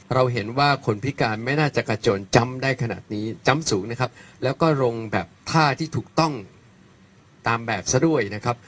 เราเห็นว่าคนพิการไม่น่าจะกระโจนจำได้ขนาดนี้จำสูงนะครับแล้วก็ลงแบบท่าที่ถูกต้องตามแบบซะด้วยนะครับ